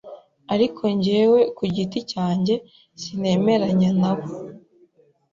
ariko jyewe ku giti cyanjye sinemeranya nabo.